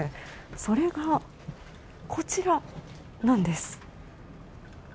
それが、こちらなんです。